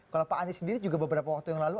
kalau pak anies sendiri juga beberapa waktu yang lalu